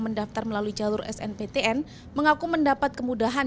mendaftar melalui jalur snptn mengaku mendapat kemudahan